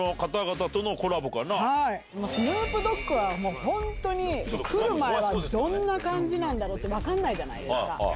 スヌープ・ドッグは本当に来る前どんな感じなんだろうって分かんないじゃないですか。